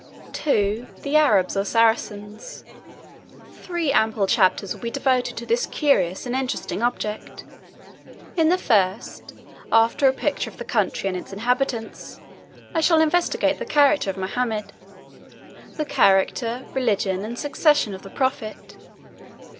II. The Arabs or Saracens. Three ample chapters will be devoted to this curious and interesting object. In the first, after a picture of the country and its inhabitants, I shall investigate the character of Mahomet; the character, religion, and success of the prophet.